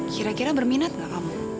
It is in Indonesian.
kira kira berminat nggak kamu